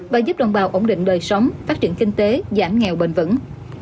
và giúp đồng bào ổn định đời sống phát triển kinh tế giảm nghèo bền vững